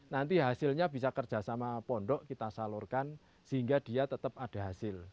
nanti hasilnya bisa kerjasama pondok kita salurkan sehingga dia tetap ada hasil